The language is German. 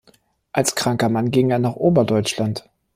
Als kranker Mann ging er nach Oberdeutschland.